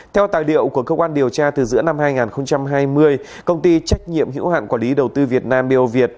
theo tài liệu của cơ quan điều tra từ giữa năm hai nghìn hai mươi công ty trách nhiệm hữu hạn quản lý đầu tư việt nam bio việt